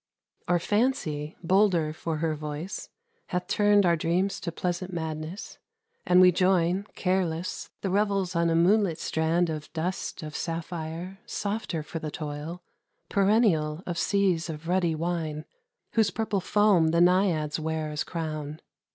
Or Fancy, bolder for her voice, hath turned Our dreams to pleasant madness, and we join, Careless, the revels on a moonlit strand Of dust of sapphire, softer for the toil, Perennial, of seas of ruddy wine, Whose purple foam the Naiads wear as crown.